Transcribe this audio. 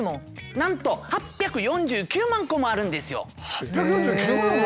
なんと８４９万もあるんだって。